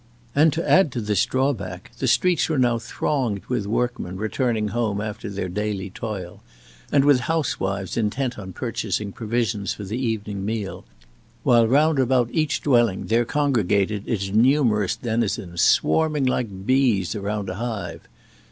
And, to add to this drawback, the streets were now thronged with workmen returning home after their daily toil, and with housewives intent on purchasing provisions for the evening meal, while round about each dwelling there congregated its numerous denizens swarming like bees around a hive.